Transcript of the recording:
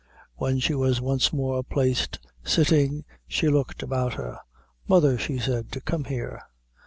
When she was once more placed sitting, she looked about her "Mother," she said, "come here!"